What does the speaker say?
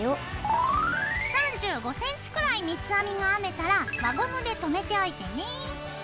３５ｃｍくらい三つ編みが編めたら輪ゴムで留めておいてね。